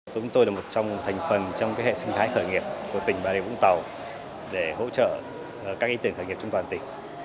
chúng tôi là một trong thành phần trong hệ sinh thái khởi nghiệp của tỉnh bà rịa vũng tàu để hỗ trợ các ý tưởng khởi nghiệp trong toàn tỉnh